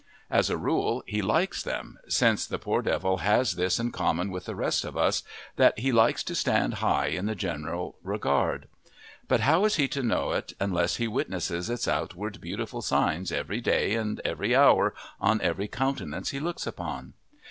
As a rule he likes them, since the poor devil has this in common with the rest of us, that he likes to stand high in the general regard. But how is he to know it unless he witnesses its outward beautiful signs every day and every hour on every countenance he looks upon?